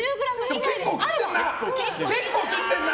結構切ってんな。